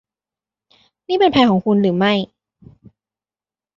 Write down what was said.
นี่เป็นแผนของคุณหรือไม่